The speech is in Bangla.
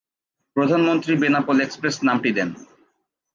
প্রধানমন্ত্রী বেনাপোল এক্সপ্রেস নামটি দেন।